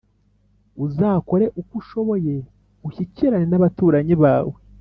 Uzakore uko ushoboye ushyikirane n’abaturanyi bawe,